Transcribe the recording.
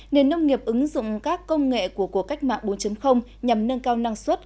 nền nông nghiệp ứng dụng các công nghệ của cuộc cách mạng bốn nhằm nâng cao năng suất